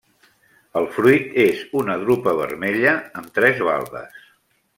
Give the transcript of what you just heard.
El fruit és una drupa vermella amb tres valves.